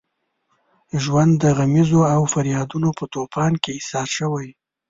ژوند د غمیزو او فریادونو په طوفان کې ایسار شوی.